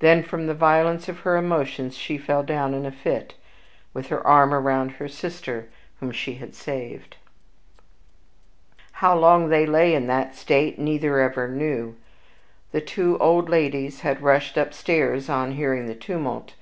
Then, from the violence of her emotions, she fell down in a fit, with her arm around the sister whom she had saved. How long they lay in this state neither ever knew. The two old ladies had rushed upstairs on hearing the tumult.